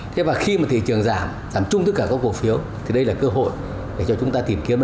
thế và khi mà thị trường giảm giảm chung tất cả các cổ phiếu thì đây là cơ hội để cho chúng ta tìm kiếm